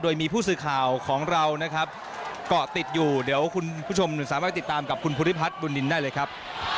โดยมีผู้สื่อข่าวของเรานะครับเกาะติดอยู่เดี๋ยวคุณผู้ชมสามารถติดตามกับคุณภูริพัฒน์บุญนินได้เลยครับ